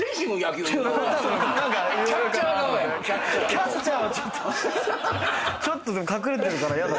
キャッチャーはちょっと隠れてるから嫌だ。